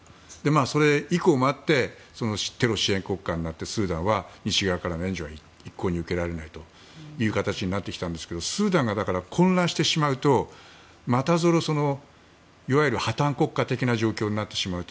それ以降もあってテロ支援国家になってスーダンは西側からの援助が一向に受けられないという形になってきたんですけどだから、スーダンが混乱してしまうとまたぞろ、いわゆる破綻国家的な状況になってしまうと。